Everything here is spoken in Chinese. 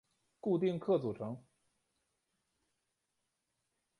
固定客组成。